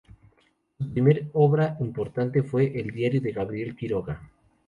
Su primera obra importante fue "El diario de Gabriel Quiroga.